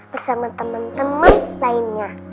bersama temen temen lainnya